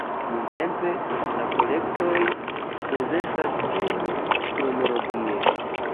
Nuntempe la kolektoj prezentas sin kronologie.